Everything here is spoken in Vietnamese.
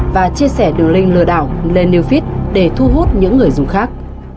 và chia sẻ đường link lừa đảo lên new feed để thu hút những người dùng khác